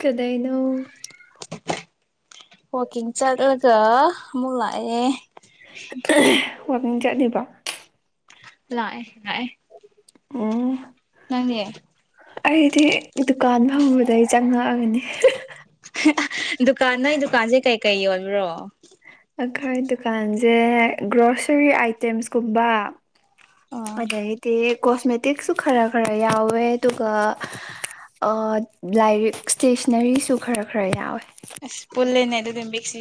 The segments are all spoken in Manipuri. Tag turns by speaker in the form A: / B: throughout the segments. A: ꯀꯗꯩꯩꯅꯣ
B: ꯋꯥꯀꯤ ꯆꯠꯂꯒ ꯃꯂꯑ
A: [inaudible] ꯋꯥꯋꯀꯤꯡ ꯆꯠꯂꯤꯕ
B: ꯂꯥꯛꯑ ꯂꯑ
A: ꯎꯝ
B: ꯅꯪꯦ
A: ꯑꯩꯗꯤ ꯗꯨꯀꯥꯟ ꯐꯪꯕꯗꯩ ꯆꯪꯉꯛꯑꯒꯅꯤ
B: ꯗꯨꯀꯥꯟ ꯅꯣꯏ ꯗꯨꯀꯥꯟꯁꯦ ꯀꯩꯀꯩ ꯌꯣꯟꯕ꯭ꯔꯣ
A: ꯑꯩꯈꯣꯏ ꯗꯨꯀꯥꯟꯁꯦ ꯒ꯭ꯔꯣꯁꯔꯤ ꯑꯥꯏꯇꯦꯝꯁꯀꯨꯝꯕ
B: ꯑꯣ
A: ꯑꯗꯗꯤ ꯀꯣꯁꯃꯦꯇꯤꯛꯁꯨ ꯈꯔ ꯈꯔ ꯌꯥꯎꯋꯦ ꯑꯗꯨꯒ ꯂꯥꯏꯔꯤꯛ ꯁ꯭ꯇꯦꯁꯅꯔꯤꯁꯨ ꯈꯔ ꯈꯔ ꯌꯥꯎꯋꯦ
B: ꯑꯁ ꯄꯨꯜꯦꯥꯏ ꯑꯗꯨ ꯇ ꯁꯤ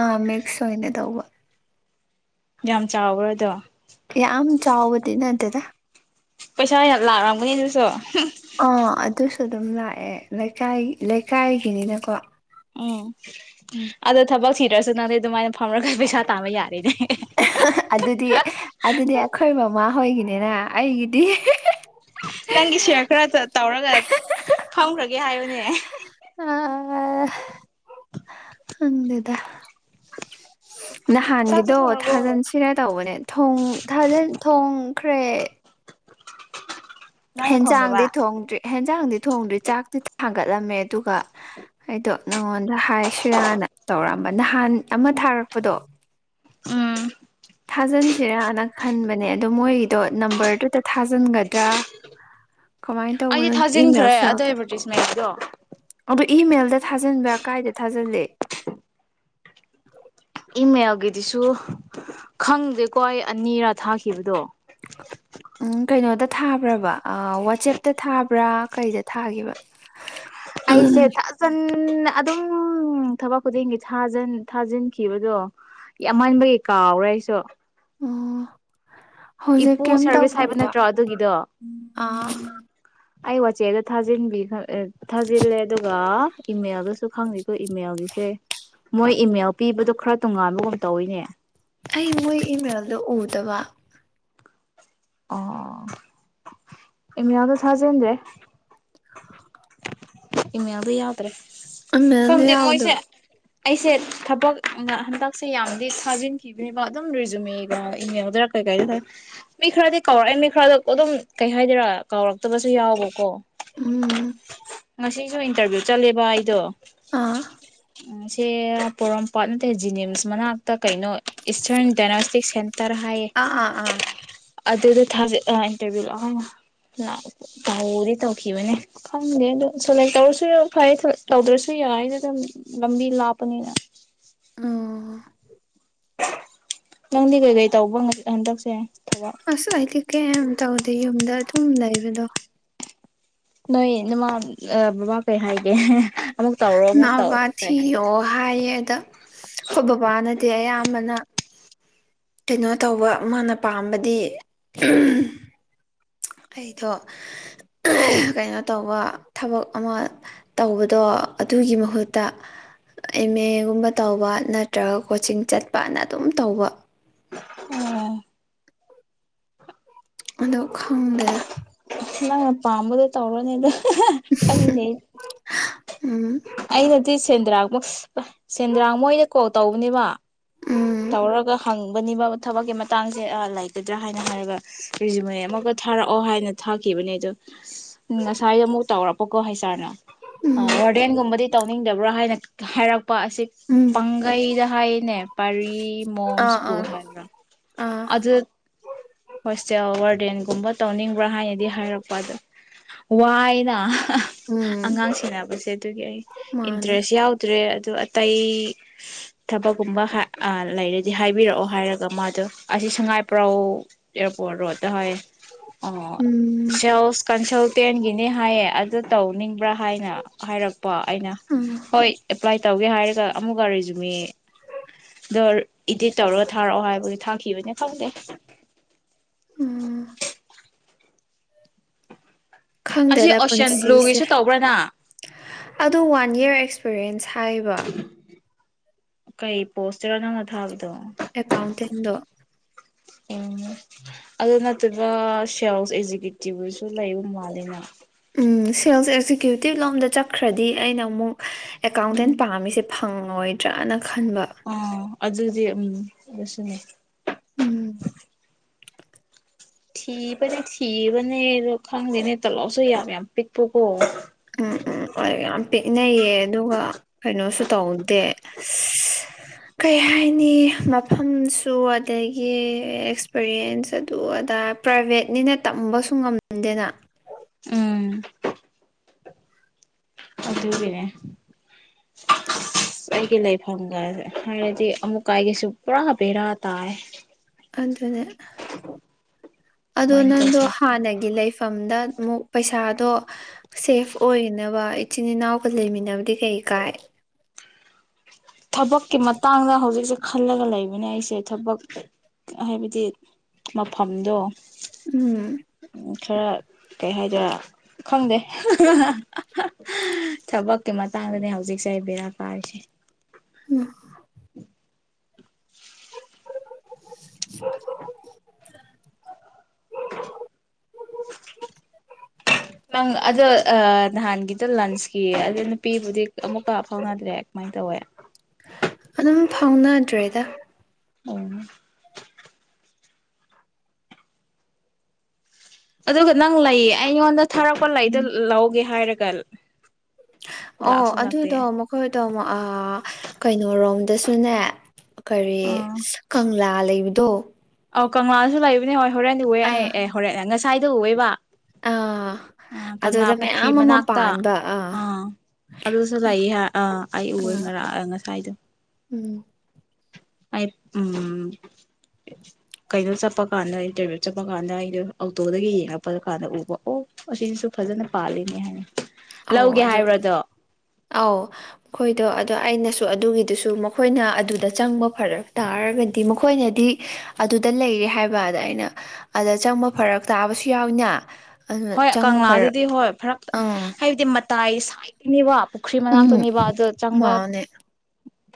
A: ꯑ ꯃꯦꯛꯦꯛꯁꯣ ꯑꯣꯏꯅꯅꯦ ꯇꯧꯕ
B: ꯌꯥꯝ ꯆꯥꯎꯕ꯭ꯔ ꯑꯗꯣ
A: ꯌꯥꯝꯝ ꯆꯥꯎꯕꯗꯤ ꯅ ꯇꯦꯗ
B: ꯄꯩꯁꯥ ꯍꯅ ꯂꯥꯛꯔꯝꯒꯅꯤ ꯑꯗꯨꯁꯨ
A: ꯑ ꯑꯗꯨ ꯁꯨ ꯑꯗꯨꯝ ꯂꯥꯛꯑꯦ ꯂꯩꯀꯥꯏ ꯂꯩꯀꯥꯏꯒꯤꯅꯤꯅꯀꯣ
B: ꯎꯝ
A: ꯎꯝ
B: ꯑꯗ ꯊꯕꯁꯤ ꯁꯨ ꯅꯪ ꯑꯗꯨꯃꯥꯏꯅ ꯐꯝ
A: ꯑꯗꯨꯗꯤ ꯑꯗꯨꯗꯤ ꯑꯩꯈꯣꯏ ꯃꯃꯥ ꯍꯣꯏꯒꯤꯅꯤ ꯏꯅꯥ ꯑꯩꯒꯤꯗꯤ
B: ꯅꯪꯒꯤ ꯁꯤꯌꯔ ꯈꯔ ꯇꯧꯔꯒ ꯐꯝꯈ꯭ꯔꯒꯦ ꯍꯥꯏꯕꯅꯦ
A: ꯑ ꯍꯗ
B: ꯆꯥꯛꯇꯤ
A: ꯅꯍꯥꯟꯒꯤꯗꯣ
B: ꯊꯣꯡꯔꯕꯣ
A: ꯊꯥꯖꯟꯁꯤꯔ ꯇꯧꯕꯅꯦ ꯊ ꯊꯥꯖꯟ ꯊꯣꯡꯈ꯭ꯔꯦ
B: ꯅꯪꯅ ꯊꯣꯡꯗꯕ
A: ꯍꯦꯟꯖꯥꯡꯗꯗꯤ ꯊ ꯍꯣꯡꯗ꯭ꯔꯤ ꯍꯟꯖꯗ ꯊꯣꯡꯗꯨ ꯆꯥꯛꯇꯤ ꯊꯥꯡꯒꯠꯂꯝꯃꯦ ꯑꯗꯨꯒ ꯑꯩꯗꯣ ꯅꯪꯉꯣꯟꯗ ꯍꯥꯏꯁꯤꯔꯥꯅ ꯇꯧꯔꯝꯕ ꯅꯍꯥꯟ ꯑꯃ ꯊꯥꯔꯛꯄꯗꯣ
B: ꯎꯝ
A: ꯊꯥꯖꯤꯟꯁꯤꯔꯅ ꯈꯟꯕꯅꯦ ꯑꯗꯣ ꯃꯣꯏꯒꯤꯗꯣ ꯅꯝꯕꯔꯗꯨꯗ ꯊꯥꯖꯤꯟꯒꯗ꯭ꯔꯥ ꯀꯃꯥꯏꯅ ꯇꯧꯕ
B: ꯑꯩꯗꯤ
A: ꯅꯣꯏ
B: ꯊꯥꯖꯤꯟꯈ꯭ꯔꯦ
A: ꯏꯃꯦꯜꯁꯨ
B: ꯑꯗꯣ
A: ꯌꯥꯎꯗꯦ
B: ꯑꯦꯗꯚꯔꯇꯤꯁꯃꯦꯟꯒꯤꯗꯣ
A: ꯑꯗꯣ ꯏꯃꯦꯜꯗ ꯊꯥꯖꯤꯟꯕ꯭ꯔꯥ ꯀꯥꯏꯗ ꯊꯥꯖꯤꯜꯂ
B: ꯏꯃꯦꯜꯒꯤꯗꯤꯁꯨ ꯈꯪꯗꯦꯀꯣ ꯑꯩ ꯑꯅꯤꯔꯥ ꯊꯥꯈꯤꯕꯗꯣ
A: ꯎꯝ ꯀꯩꯅꯣꯗ ꯊꯥꯕ꯭ꯔꯕ ꯋꯥꯆꯦꯞꯇ ꯊꯥꯕ꯭ꯔꯥ ꯀꯩꯗ ꯊꯥꯈꯤꯕ
B: ꯑꯩꯁꯦ ꯊꯖꯟ ꯑꯗꯨꯝ ꯊꯕꯛ ꯈꯨꯗꯤꯡꯒꯤ ꯊꯥꯖꯤꯟꯈꯤꯕꯗꯣ ꯌꯥꯝꯃꯟꯕꯒꯤ ꯀꯥꯎꯔꯦ ꯑꯩꯁꯨ
A: ꯑꯣ ꯍꯧꯖꯤꯛ
B: ꯏꯄꯨ
A: ꯀꯩꯝ
B: ꯁꯥꯔꯚꯤꯁ ꯍꯥꯏꯕ
A: ꯇꯧꯗ꯭ꯔꯤꯕ
B: ꯅꯠꯇ꯭ꯔꯣ ꯑꯗꯨꯒꯤꯗꯣ
A: ꯑ
B: ꯑꯩ ꯋꯥꯆꯦꯞꯗ ꯊꯥꯖꯤꯟꯕꯤ ꯊꯥꯖꯤꯜꯂꯦ ꯑꯗꯨꯒ ꯏꯃꯦꯜꯗꯁꯨ ꯈꯪꯉꯤꯀꯣ ꯏꯃꯦꯜꯒꯤꯁꯦ ꯃꯣꯏ ꯏꯃꯦꯜ ꯄꯤꯕꯗꯣ ꯈꯔ ꯇꯣꯉꯥꯟꯕꯒꯨꯝ ꯇꯧꯋꯤꯅꯦ
A: ꯑꯗꯨꯒ
B: ꯑꯣ ꯏꯃꯤꯌꯥꯗ ꯊꯥꯖ꯭ꯔꯦ ꯏꯃꯌꯥꯗ ꯌꯥꯗ꯭ꯔꯦ
A: ꯑꯃꯦꯂ ꯌꯥꯎꯗ
B: ꯑꯩꯁꯦ ꯊꯕꯛ ꯍꯟꯗꯛꯁꯦ ꯌꯥꯝꯗꯤ ꯊꯥꯖꯤꯟꯈꯤꯕꯅꯦꯕ ꯑꯗꯨꯝ ꯔꯤꯖꯨꯝꯃꯦꯕ ꯏꯃꯦꯜꯗꯔ ꯀꯩꯀꯥꯏꯗ ꯃꯤ ꯈꯔꯗꯤ ꯀꯥꯎꯔꯛꯑꯦ ꯃꯤ ꯈꯔꯗ ꯑꯗꯨꯝ ꯀꯩ ꯍꯥꯏꯗꯣꯏꯔꯥ ꯀꯥꯎꯔꯛꯇꯕꯁꯨ ꯌꯥꯎꯕꯀꯣ
A: ꯎꯝ
B: ꯁꯤꯁꯨ ꯏꯟꯇꯔꯚꯤꯌꯨ ꯆꯠꯂꯦꯕ ꯑꯩꯗꯣ
A: ꯑꯥ
B: ꯁꯦ ꯄꯣꯔꯣꯝꯄꯥꯠ ꯅꯠꯇꯦ ꯖꯤꯅꯤꯝꯁ ꯃꯅꯥꯛꯇꯛ ꯀꯩꯅꯣ ꯏꯁꯇꯔꯟ ꯗꯥꯏꯅꯣꯁꯇꯤꯛ ꯁꯦꯟꯇꯔ ꯍꯥꯏꯌꯦ
A: ꯑꯥ ꯑꯥ ꯑꯥ
B: ꯑꯗꯨꯗ ꯊꯖ ꯏꯟꯇꯔꯚꯤꯌꯨ ꯂ ꯇꯧꯗꯤ ꯇꯧꯈꯤꯕꯅꯦ ꯈꯪꯗꯦ ꯑꯗꯣ ꯁꯣꯂꯦꯛ ꯇꯧꯔꯁꯨ ꯌꯥ ꯐꯔꯦ ꯇꯧꯗ꯭ꯔꯁꯨ ꯌꯥꯏ ꯑꯩꯗꯤ ꯑꯗꯨꯝ ꯂꯝꯕꯤ ꯂꯥꯞꯄꯅꯤꯅ
A: ꯑꯣ
B: ꯅꯪꯗꯤ ꯀꯩꯀꯩ ꯇꯧꯕ ꯍꯟꯗꯛꯁꯦ ꯊꯕꯛ
A: ꯑꯁ ꯑꯩꯗꯤ ꯀꯩꯝ ꯇꯧꯗꯦ ꯌꯨꯝꯗ ꯑꯗꯨꯝ ꯂꯩꯕꯗꯣ
B: ꯅꯣꯏ ꯅꯃ ꯑꯥ ꯕꯕꯥ ꯀꯩ ꯍꯥꯏꯒꯦ ꯑꯃꯨꯛ ꯇꯧꯔꯣ
A: ꯏꯃꯥ
B: ꯑꯃꯨꯛ ꯇꯧ
A: ꯕꯕꯥ
B: ꯀꯩ ꯍꯥꯏꯒꯦ
A: ꯊꯤꯌꯣꯑꯣ ꯍꯥꯏꯌꯦ ꯑꯗ ꯑꯈꯣꯏ ꯕꯕꯥꯅꯗꯤ ꯑꯌꯥꯝꯕꯅ ꯀꯩꯅꯣ ꯇꯧꯕ ꯃꯥꯅ ꯄꯥꯝꯕꯗꯤ ꯑꯩꯗꯣ ꯀꯩꯅꯣ ꯇꯧꯕ ꯊꯕꯛ ꯑꯃ ꯇꯧꯕꯗꯣ ꯑꯗꯨꯒꯤ ꯃꯍꯨꯠꯇ ꯑꯦꯝ-ꯑꯦꯒꯨꯝꯕ ꯇꯧꯕ ꯅꯠꯇ꯭ꯔꯒ ꯀꯣꯆꯤꯡ ꯆꯠꯄꯅ ꯑꯗꯨꯝ ꯇꯧꯕ
B: ꯑꯣ
A: ꯑꯗꯣ ꯈꯪꯗꯦꯗ
B: ꯅꯪꯅ ꯄꯥꯝꯕꯗꯨ ꯇꯧꯔꯣꯅꯦꯗ ꯑꯍ ꯈꯪꯗꯦ
A: ꯎꯨꯝ
B: ꯑꯩꯅꯗꯤ ꯁꯦꯟꯗ꯭ꯔꯥꯡ ꯁꯦꯟꯗ꯭ꯔꯥꯡ ꯃꯣꯏꯅ ꯀꯣꯜ ꯇꯧꯕꯅꯦꯕ
A: ꯎꯝ
B: ꯇꯧꯔꯒ ꯍꯪꯕꯅꯤꯕ ꯊꯕꯛꯀꯤ ꯃꯇꯥꯡꯁꯦ ꯑꯥ ꯂꯩꯒꯗ꯭ꯔꯥ ꯍꯥꯏꯅ ꯍꯥꯏꯔꯒ ꯔꯤꯖꯨꯃꯅꯤ ꯑꯃꯒ ꯊꯥꯔꯛꯑꯣ ꯍꯥꯏꯅ ꯊꯥꯈꯤꯕꯅꯦ ꯑꯗꯣ ꯉꯁꯥꯏꯗꯣ ꯑꯃꯨꯛ ꯇꯧꯔꯛꯄꯀꯣ ꯍꯥꯏꯁ ꯑꯥꯔꯅ
A: ꯎꯝ
B: ꯑꯥ ꯋꯥꯔꯗꯦꯟꯒꯨꯝꯕꯗꯤ ꯇꯧꯅꯤꯡꯗꯕ꯭ꯔꯥ ꯍꯥꯏꯅ ꯍꯥꯏꯔꯛ ꯄ ꯑꯁꯤ
A: ꯎꯝ
B: ꯄꯥꯡꯒꯩꯗ ꯍꯥꯏꯌꯦꯅꯦ ꯀꯔꯤ ꯃꯣꯝ
A: ꯑꯥ
B: ꯏꯁꯀꯨꯜ
A: ꯑꯥ
B: ꯍꯥꯏꯕ꯭ꯔꯥ
A: ꯑꯥ
B: ꯑꯗꯨ ꯍꯣꯁꯇꯦꯜ ꯋꯥꯔꯗ ꯔꯗꯦꯟꯒꯨꯝꯕ ꯇꯧꯅꯤꯡꯕ꯭ꯔꯥ ꯍꯥꯏꯅꯗꯤ ꯍꯥꯏꯔꯛꯄ ꯑꯗ ꯋꯥꯏꯅ ꯑꯥ
A: ꯎꯝ
B: ꯑꯉꯥꯡ ꯁꯦꯟꯅꯕꯁꯦ ꯑꯗꯨꯒꯤ ꯑꯩ
A: ꯃꯥꯅꯦ
B: ꯏꯟꯇꯔꯦꯁ ꯌꯥꯎꯗ꯭ꯔꯦ ꯑꯗꯨ ꯑꯇꯩ ꯊꯕꯛꯀꯨꯝꯕ ꯍꯥ ꯑꯥ ꯂꯩꯔꯗꯤ ꯍꯥꯏꯕꯤꯔꯛꯑꯣ ꯍꯥꯏꯔꯒ ꯃꯥꯗꯣ ꯑꯁꯤ ꯁꯉꯥꯏꯄ꯭ꯔꯧ ꯑꯦꯌꯥꯔꯄꯣꯔꯠ ꯔꯣꯗ ꯇꯥ ꯍꯥꯏ ꯑꯣ
A: ꯎꯝ
B: ꯁꯦꯜꯁ ꯀꯟꯁꯜꯇꯦꯟꯒꯤꯅꯤ ꯍꯥꯏꯌꯦ ꯑꯗꯨ ꯇꯧꯅꯤꯡꯕ꯭ꯔꯥ ꯍꯥꯏꯅ ꯍꯥꯏꯔꯛꯄ ꯑꯩꯅ
A: ꯎꯝ
B: ꯍꯣꯏ ꯑꯦꯄ꯭ꯂꯥꯏ ꯇꯧꯒꯦ ꯍꯥꯏꯔꯒ ꯑꯃꯨꯛꯀ ꯔꯤꯖꯨꯝꯃꯦ ꯗꯣ ꯏꯗꯤꯠ ꯇꯧꯔꯒ ꯊꯥꯔꯛꯑꯣ ꯍꯥꯏꯕꯒꯤ ꯊꯥꯈꯤꯕꯅꯦ ꯈꯪꯗꯦ
A: ꯎꯝ
B: ꯑꯁꯤ
A: ꯈꯪꯗꯦꯗ
B: ꯑꯣꯁꯤꯌꯥꯟ
A: ꯄꯨꯟꯁꯤꯁꯦ
B: ꯕ꯭ꯂꯨꯒꯤꯁꯨ ꯇꯧꯕ꯭ꯔꯅ
A: ꯑꯗꯣ ꯋꯥꯟ ꯏꯌꯥꯔ ꯑꯦꯛꯁ ꯄꯔꯦꯟꯁ ꯍꯥꯏꯕ
B: ꯀꯩ ꯄꯣꯁꯇꯅꯣ ꯅꯪꯅ ꯊꯥꯕ
A: ꯑꯦꯀꯥꯎꯟꯇꯦꯟꯗꯣ
B: ꯎꯨꯝ ꯑꯗꯨ ꯅ ꯑꯗꯨꯒ ꯁꯦꯜꯁ ꯑꯦꯖꯤꯀꯦꯇꯤꯞ ꯑꯣꯏꯁꯨ ꯂꯩꯕ ꯃꯥꯂꯦꯅ
A: ꯎꯨꯝ ꯁꯦꯜꯁ ꯑꯦꯖꯤ ꯑꯦꯀ꯭ꯌꯨꯇꯤꯕ ꯂꯣꯝꯗ ꯆꯠꯈ꯭ꯔꯗꯤ ꯑꯩꯅ ꯑꯃꯨꯛ ꯑꯦꯀꯥꯎꯟꯇꯦꯟ ꯄꯥꯝꯃꯤꯁꯦ ꯐꯪꯉꯣꯏꯗ꯭ꯔꯥꯅ
B: ꯑꯣ ꯑꯗꯨꯗꯤ ꯎꯝ ꯑꯗꯨꯁꯨꯅꯤ
A: ꯎꯝ
B: ꯊꯤꯕꯅꯦ ꯊꯤꯕꯅꯦ ꯑꯗꯣ ꯈꯪꯗꯦꯅꯦ ꯇꯂꯥꯎꯁꯨ ꯌꯥꯝ ꯌꯥꯝ ꯄꯤꯛꯄꯨꯀꯣ
A: ꯎꯝ ꯎꯝ ꯍ ꯌꯥꯝ ꯄꯤꯛꯅꯩꯌꯦ ꯑꯗꯨꯒ ꯀꯩꯅꯣꯁꯨ ꯇꯧꯗꯦ ꯑ ꯀꯩ ꯍꯥꯏꯅꯤ ꯃꯐꯝꯁꯨ ꯑꯗꯒꯤ ꯑꯦꯛꯁꯄꯤꯔꯤꯌꯦꯟꯁ ꯑꯗꯨ ꯑꯗꯥ ꯄ꯭ꯔꯥꯏꯚꯦꯠꯅꯤꯅ ꯇꯝꯕꯁꯨ ꯉꯝꯗꯦꯅ
B: ꯎꯝ ꯑꯗꯨꯒꯤꯅꯦ ꯑꯩꯒꯤ ꯂꯩꯐꯝꯒ ꯍꯥꯏꯔꯗꯤ ꯑꯃꯨꯛꯀꯥꯏꯒꯤꯁꯨ ꯄꯨꯔꯥ ꯕꯦꯔꯥ ꯇꯥꯏ
A: ꯀꯟꯗꯨꯅꯦ ꯑꯗꯣ
B: ꯀꯃꯥꯏꯅ
A: ꯅꯪꯗꯣ
B: ꯇꯧꯁꯤꯔ ꯈꯪꯗꯦ
A: ꯍꯥꯟꯅꯒꯤ ꯂꯩꯐꯝꯗ ꯑꯃꯨꯛ ꯄꯩꯁꯥꯗꯣ ꯁꯦꯐ ꯑꯣꯏꯅꯅꯕ ꯏꯆꯤꯟ ꯏꯅꯥꯎꯒ ꯂꯩꯃꯤꯟꯅꯕꯗꯤ ꯀꯩ ꯀꯥꯏ
B: ꯊꯕꯛꯀꯤ ꯃꯇꯥꯡꯗ ꯍꯧꯖꯤꯛꯁꯦ ꯈꯜꯂꯒ ꯂꯩꯕꯅꯦ ꯑꯩꯁꯦ ꯊꯕꯛ ꯍꯥꯏꯕꯗꯤ ꯃꯐꯝꯗꯣ
A: ꯎꯝ
B: ꯈꯔ ꯀꯩ ꯍꯥꯏꯗꯔꯦ ꯈꯪꯗꯦ ꯊꯕꯛꯀꯤ ꯃꯇꯥꯡꯗꯅꯦ ꯍꯧꯖꯤꯛꯁꯦ ꯕꯦꯔꯥ ꯄꯥꯔꯤꯁꯦ
A: ꯎꯝ ꯑ
B: ꯅꯪ ꯑꯗꯣ ꯅꯍꯥꯟꯒꯤꯗ ꯂꯟꯁꯀꯤ ꯑꯗꯨ ꯅꯨꯄꯤꯕꯨꯗꯤ ꯑꯃꯨꯛꯀ ꯐꯥꯎꯅꯗ꯭ꯔꯦ ꯀꯃꯥꯏꯅ ꯇꯧꯋꯦ
A: ꯑꯗꯨꯝ ꯐꯥꯎꯅꯗ꯭ꯔꯦꯗ
B: ꯑꯣ ꯑꯗꯨ꯭ꯔꯒ ꯅꯪ ꯂꯩ ꯑꯩꯣꯟ ꯊꯥꯔꯛꯄ ꯂꯩꯗ ꯂꯧꯒꯦ ꯍꯥꯏꯔꯒ ꯀꯜ
A: ꯑꯣ ꯑꯗꯨꯗꯣ ꯃꯈꯣꯏ ꯇ ꯀꯩꯅꯣꯣꯔꯣꯝꯗꯁꯨꯅꯦ ꯀꯔꯤ
B: ꯑꯥ
A: ꯀꯪꯂꯥ ꯂꯩꯕ ꯗꯣ
B: ꯑꯣꯧ ꯀꯪꯂꯥꯁꯨ ꯂꯩꯕꯅꯦ ꯍꯣꯏ ꯍꯣꯔꯦꯟꯋꯦ ꯑꯩ
A: ꯑꯥ
B: ꯑꯦ ꯍꯣꯔꯦꯟꯂ ꯉꯁꯤꯦ ꯁꯥꯏꯗ ꯎꯋꯦꯕ
A: ꯑꯥ
B: ꯑ
A: ꯑꯗꯨꯗ
B: ꯀꯪꯂꯥ ꯄꯨꯈ꯭ꯔꯤ
A: ꯃꯌꯥꯝ ꯑꯃ
B: ꯃꯅꯥꯛꯇ
A: ꯄꯥꯟꯕ
B: ꯑꯥ ꯑꯗꯨꯁꯨ ꯂꯩꯌꯦ ꯑꯥ ꯑꯩ ꯎ
A: ꯑ
B: ꯉꯔ ꯉꯁꯥꯏꯗꯣ
A: ꯎꯝ
B: ꯑꯩ ꯎ ꯀꯩꯅꯣ ꯆꯠꯄ ꯀꯥꯟꯗ ꯏꯟꯇꯔꯚꯌꯨꯠ ꯆꯠꯄ ꯀꯥꯟꯗ ꯑꯩꯗꯣ ꯑꯣꯇꯣꯗꯒꯤ ꯌꯦꯡꯉꯛꯄ ꯀꯥꯟꯗ ꯎꯕ ꯑꯣ ꯑꯁꯤꯁꯨ ꯐꯖꯅ ꯄꯥꯜꯂꯤꯅꯦ ꯍꯥꯏꯅ
A: ꯑ
B: ꯂꯧꯒꯦ
A: ꯑꯗ
B: ꯍꯥꯏꯕ꯭ꯔꯗꯣ
A: ꯑꯥꯎ ꯑꯩꯣꯏ ꯑꯗꯣ ꯑꯗꯣ ꯑꯩꯅꯁꯨ ꯑꯗꯨꯒꯤꯗꯨꯁꯨ ꯃꯈꯣꯏꯅ ꯑꯗꯨꯗ ꯆꯪꯕ ꯐꯔꯛ ꯇꯥꯔꯒꯗꯤ ꯃꯈꯣꯏꯅꯗꯤ ꯑꯗꯨꯗ ꯂꯩꯔꯦ ꯍꯥꯏꯕ ꯑꯗ ꯑꯩꯅ ꯑꯗ ꯆꯪꯕ ꯐꯔꯛ ꯇꯥꯕꯁꯨ ꯌꯥꯎꯏꯅꯦ
B: ꯍꯣꯏ ꯀꯪꯂꯥꯗꯗꯤ ꯍꯣꯏ ꯐꯔꯛ ꯍꯥꯏ
A: ꯑꯪ
B: ꯍꯥꯏꯗꯤ ꯃꯇꯥꯏ ꯁꯥꯏꯠꯇꯅꯤꯕ ꯄꯨꯈ꯭ꯔꯤ
A: ꯎꯝ
B: ꯃꯅꯥꯛꯇꯅꯤꯕ ꯑꯗꯨꯣ ꯆꯪꯕ
A: ꯃꯥꯅꯦ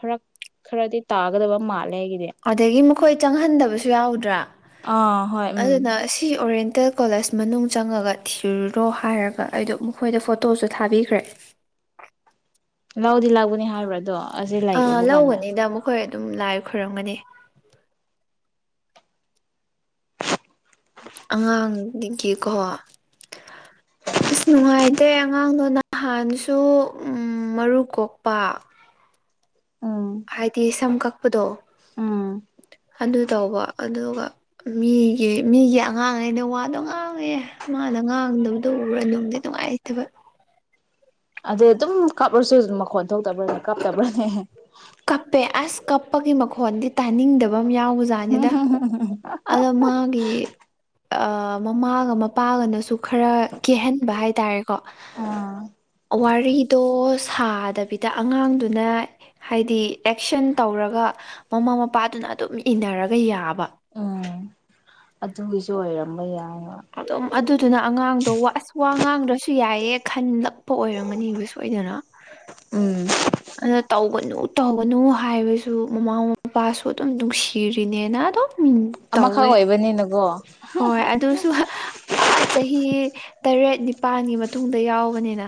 B: ꯐꯔꯛ ꯈꯔꯗꯤ ꯇꯥꯒꯗꯕ ꯃꯥꯜꯂꯦ ꯑꯩꯒꯤꯗꯤ
A: ꯑꯗꯒꯤ ꯃꯈꯣꯏ ꯆꯪꯍꯟꯗꯕꯁꯨ ꯌꯥꯎꯗ꯭ꯔꯥ
B: ꯑꯥ ꯍꯣꯏ ꯎꯝ
A: ꯑꯗꯨꯅ ꯁꯤ ꯑꯣꯔꯦꯟ ꯏꯁꯦꯜ ꯀꯣꯂꯦꯖ ꯃꯅꯨꯡ ꯆꯪꯉꯒ ꯊꯤꯔꯨꯔꯣ ꯍꯥꯏꯔꯒ ꯑꯩꯗꯣ ꯃꯈꯣꯏꯗ ꯐꯣꯇꯣꯁꯨ ꯊꯥꯕꯤꯈ꯭ꯔꯦ
B: ꯂꯥꯛꯑꯣꯗꯤ ꯂꯥꯛꯕꯨꯅꯦ ꯍꯥꯏꯕ꯭ꯔ ꯑꯗꯣ ꯑꯁꯤ
A: ꯑ
B: ꯂꯩ ꯎꯕ ꯀꯥꯟꯗ
A: ꯂꯧꯧꯕꯅꯤꯗ ꯑꯃꯨꯛ ꯍꯣꯏꯔ ꯑꯗꯨꯝ ꯂꯥꯏ ꯈꯔꯝꯒꯅꯤ ꯑꯉꯥꯡꯗꯒꯤꯀꯣ ꯑꯁ ꯅꯨꯡꯉꯥꯏꯇꯦ ꯑꯉꯥꯡꯗꯣ ꯅꯍꯥꯟꯁꯨ ꯃꯔꯨ ꯀꯣꯛꯄ
B: ꯎꯝ
A: ꯀꯗꯣ
B: ꯎꯝ
A: ꯑꯗꯨꯗ ꯇꯧꯕ ꯑꯗꯨꯒ ꯃꯤꯒꯤ ꯃꯤꯒꯤ ꯑꯉꯥꯡꯉꯩꯩꯅ ꯋꯥꯗꯣ ꯉꯥꯡꯉꯦ ꯃꯥꯅ ꯉꯥꯡꯗꯕꯗꯣ ꯎꯔ ꯅꯨꯡꯗꯤ ꯅꯨꯡꯉꯥꯏꯇꯕ
B: ꯑꯗ ꯑꯗꯨꯝ ꯀꯥꯞꯂꯁꯨ ꯑꯗꯨꯝ ꯃꯈꯣꯟ ꯊꯣꯛꯇꯕ꯭ꯔꯥꯅ ꯀꯥꯞꯇꯕ꯭ꯔꯥꯅꯦ
A: ꯀꯞꯄꯦ ꯑꯁ ꯀꯞꯄꯒꯤ ꯃꯈꯣꯟꯗꯤ ꯇꯥꯅꯤꯡꯗꯕ ꯐꯕ ꯌꯥꯎꯕꯖꯥꯠꯅꯤꯗ ꯑꯗ ꯃꯥꯒꯤ ꯃꯃꯥꯒ ꯃꯄꯥꯒꯅꯁꯨ ꯈꯔ ꯀꯦꯍꯟꯕ ꯍꯥꯏꯇꯥꯔꯦꯀꯣ ꯋꯥꯔꯤꯗꯣ ꯁꯥꯗꯕꯤꯗ ꯑꯉꯥꯡꯗꯨꯅ ꯍꯥꯏꯗꯤ ꯑꯦꯛꯁꯟ ꯇꯧꯔꯒ ꯃꯃꯥ ꯃꯄꯥꯗꯨꯅ ꯑꯗꯨꯝ ꯏꯟꯅꯔꯒ ꯌꯥꯕ
B: ꯎꯝ ꯑꯗꯨꯒꯤꯁꯨ ꯑꯣꯏꯔꯝꯕ ꯌꯥꯏ
A: ꯑꯗꯨꯝ ꯑꯗꯨꯗꯨꯅ ꯑꯉꯥꯡꯗꯣ ꯑꯁ ꯋꯥ ꯉꯥꯡꯗ꯭ꯔꯁꯨ ꯌꯥꯏ ꯑꯦ ꯈꯟꯂꯛꯄ ꯑꯣꯏꯔꯝꯒꯅꯦꯕ ꯁꯣꯏꯗꯅ
B: ꯎꯝ
A: ꯑꯗꯨꯅ ꯇꯧꯒꯅꯨ ꯇꯧꯒꯅꯨ ꯍꯥꯏꯕꯁꯨ ꯃꯃꯥ ꯃꯄꯥꯁꯨ ꯑꯗꯨꯝ ꯅꯨꯡꯁꯤꯔꯤꯅꯦꯅ ꯑꯗꯨꯝ
B: ꯑꯃꯈꯛ
A: ꯇꯧꯋꯦ
B: ꯑꯣꯏꯕꯅꯤꯅꯀꯣ
A: ꯑ ꯆꯍꯤ ꯇꯔꯦꯠ ꯅꯤꯄꯥꯜꯒꯤ ꯃꯇꯨꯡꯗ ꯌꯥꯎꯕꯅꯤꯅ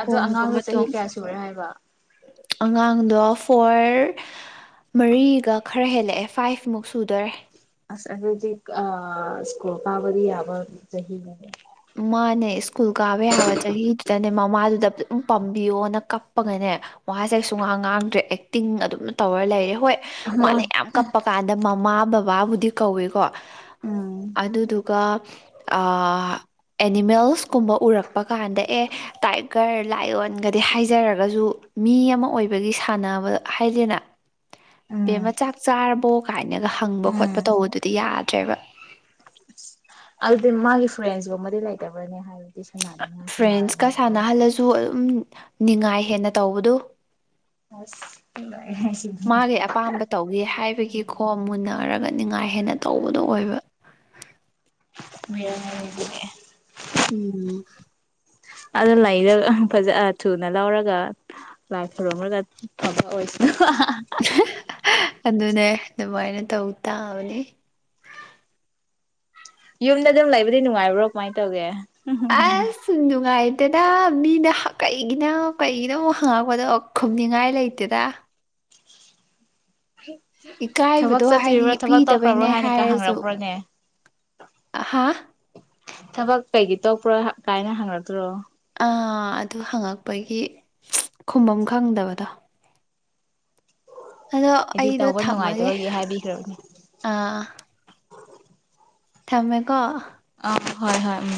B: ꯑꯗꯣ ꯑꯉꯥꯡꯗꯣ
A: ꯃꯇꯨꯡ
B: ꯆꯍꯤ ꯀꯌꯥ ꯁꯨꯔꯦ ꯍꯥꯏꯕ
A: ꯑꯉꯥꯡꯗꯣ ꯐꯣꯔ ꯃꯔꯤꯒ ꯈꯔ ꯍꯦꯜꯂꯛꯑꯦ ꯐꯥꯏꯚꯃꯨꯛ ꯁꯨꯗꯔꯦ
B: ꯀꯗꯤ ꯁꯀꯣꯄꯥꯕ ꯌꯥꯕ ꯆꯍꯤ
A: ꯃꯥꯅꯦ ꯁ꯭ꯀꯨꯜ ꯀꯥꯕ ꯌꯥꯕ ꯆꯍꯤꯗꯨꯗꯅꯦ ꯃꯃꯥꯗꯨꯗ ꯑꯗꯨꯝ ꯄꯥꯝꯕꯤꯌꯣꯅ ꯀꯞꯄꯒꯅꯦ ꯃꯥꯥꯁꯦ ꯁꯨꯡꯉꯥꯡ ꯉꯥꯡꯗ꯭ꯔꯦ ꯑꯦꯛꯇꯤꯡ ꯑꯗꯨꯝ ꯇꯧꯔ ꯂꯩꯔꯦ ꯍꯣꯏ ꯃꯥꯅ
B: ꯍꯣꯏ
A: ꯌꯥꯝ ꯀꯞꯄ ꯀꯥꯟꯗ ꯃꯃꯥꯕ ꯕꯕꯥꯕꯨꯗꯤ ꯀꯧꯏꯀꯣ
B: ꯎꯝ
A: ꯑꯗꯨꯗꯨꯒ ꯑꯦꯅꯤꯃꯦꯜꯁꯀꯨꯝꯕ ꯎꯔꯛꯄ ꯀꯥꯟꯗ ꯑꯦ ꯇꯥꯏꯒꯔ ꯂꯥꯏꯑꯣꯣꯟꯒꯗꯤ ꯍꯥꯏꯖꯔꯒꯁꯨ ꯃꯤ ꯑꯃ ꯑꯣꯏꯕꯒꯤ ꯁꯥꯟꯅꯕ ꯍꯥꯏꯗꯦꯅ
B: ꯎꯝ
A: ꯕꯦꯃ ꯆꯥꯛ ꯆꯥꯔꯕꯣ ꯀꯥꯏꯅꯒ ꯍꯪꯕ ꯈꯣꯠꯄ
B: ꯎꯝ
A: ꯇꯧꯕꯗꯨꯗꯤ ꯌꯥꯗ꯭ꯔꯦꯕ
B: ꯑꯗꯨꯗꯤ ꯃꯥꯒꯤ ꯐ꯭ꯔꯦꯟꯁꯒꯨꯝꯕꯗꯤ ꯂꯩꯇꯕꯅꯦ ꯍꯥꯏꯕ
A: ꯐ꯭ꯔꯦꯟꯁꯀ ꯁꯥꯟꯅꯍꯜꯂꯁꯨ ꯑꯗꯨꯝ ꯅꯤꯡꯅꯤꯉꯥꯏ ꯍꯦꯟꯅ ꯇꯧꯕꯗꯨ
B: ꯑꯁ ꯁꯤꯗꯤ
A: ꯃꯥꯒꯤ ꯑꯄꯥꯝꯕ ꯇꯧꯒꯦ ꯍꯥꯏꯕꯒꯤ ꯈꯣ ꯃꯨꯟꯅꯔꯒꯅꯤ ꯉꯥꯏ ꯍꯦꯟꯅ ꯇꯧꯕꯗꯣ ꯑꯣꯏꯕ
B: ꯕꯤꯔꯌꯥꯅꯤ ꯂꯩꯕꯤꯉꯑꯦ
A: ꯎꯝ
B: ꯑ ꯂꯩꯔ ꯐꯖ ꯊꯨꯅ ꯂꯧꯔꯒ ꯂꯥꯏ ꯈꯨꯔꯝꯨꯔꯒ ꯐꯕ ꯑꯣꯏꯁꯅ
A: ꯚꯅ ꯇ ꯎꯇꯥꯅꯤ
B: ꯌꯨꯝꯗ ꯑꯗꯨꯝ ꯂꯩꯕꯗꯤ ꯅꯨꯡꯉꯥꯏꯕ꯭ꯔꯣ ꯀꯃꯥꯏꯅ ꯇꯧꯒꯦ
A: ꯑꯁ ꯁꯗꯨꯅꯨꯡꯉꯥꯏ ꯗꯦꯗꯥ ꯃꯤꯅ ꯀꯩꯒꯤꯅ ꯀꯩꯒꯤꯅ ꯑꯃꯨꯛ ꯍꯪꯉꯛꯄꯗꯣ ꯈꯨꯝꯅꯤꯡꯉꯥꯏ ꯂꯩꯇꯦꯗ
B: ꯊꯕꯛ
A: ꯏꯀꯥꯏꯕꯗꯣ ꯍꯥꯏꯗꯤ
B: ꯆꯠꯇ꯭ꯔꯤꯕ꯭ꯔꯣ ꯊꯕꯛ ꯇꯧꯈ꯭ꯔꯕ꯭ꯔꯣ
A: ꯄꯤꯗꯕꯅꯦ
B: ꯍꯥꯏꯅꯒ
A: ꯍꯥꯏꯔꯁꯨ
B: ꯍꯪꯔꯛꯄ꯭ꯔꯣꯅꯦ
A: ꯍꯥ
B: ꯊꯕꯛ ꯀꯩꯒꯤ ꯇꯣꯛꯄ꯭ꯔꯣ ꯀꯥꯏꯅ ꯍꯪꯉꯛꯇ꯭ꯔꯣ꯫
A: ꯑꯥ ꯑꯗꯨ ꯍꯪꯉꯛꯄꯒꯤ ꯈꯨꯝꯕꯝ ꯈꯪꯗꯕꯗꯣ꯫ ꯑꯗꯣ
B: ꯑꯩꯗꯤ
A: ꯑꯩꯗꯣ
B: ꯇꯧꯕ
A: ꯊꯝꯃꯒꯦ
B: ꯅꯨꯡꯉꯥꯏꯇꯕꯒꯤ ꯍꯥꯏꯕꯤꯈ꯭ꯔꯕꯅꯦ
A: ꯑꯥ꯫ ꯊꯝꯃꯦꯀꯣ꯫
B: ꯑ ꯍꯣꯏ ꯍꯣꯏ ꯎꯝ꯫